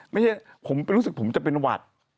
ไม่ใช่ผมรู้สึกผมจะเป็นหวัด